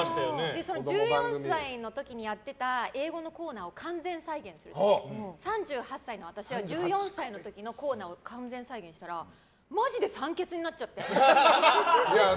１４歳の時にやってた英語のコーナーを完全再現するんですけど３８歳の私が１４歳の時のコーナーを完全再現したらマジで酸欠になっちゃって。